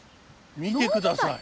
見てください。